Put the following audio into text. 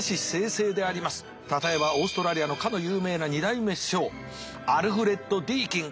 例えばオーストラリアのかの有名な２代目首相アルフレッド・ディーキン